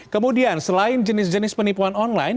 kemudian selain jenis jenis penipuan online